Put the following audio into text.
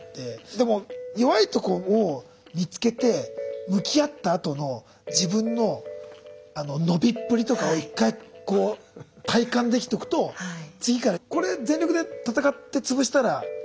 でも弱いとこを見つけて向き合ったあとの自分の伸びっぷりとかを１回こう体感できとくと次からこれ全力で戦って潰したらちょっと上行けんだなってなんかね。